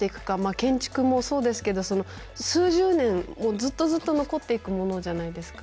建築もそうですけど数十年、ずっとずっと残っていくものじゃないですか。